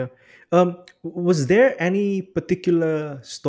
apakah ada cerita tertentu atau